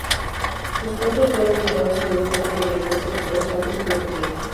Los cuerpos fueron enterrados en un templo la iglesia ortodoxa rusa de Pekín.